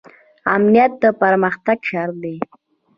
امنیت د پرمختګ شرط دی